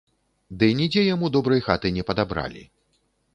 Ды нідзе яму добрай хаты не падабралі.